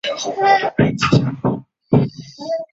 町域内有东急池上线御岳山站。